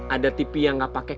ada tv yang nggak pakai